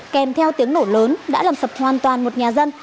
kèm theo tiếng nổ lớn đã làm sập hoàn toàn một nhà dân